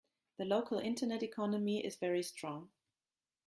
The local internet economy is very strong.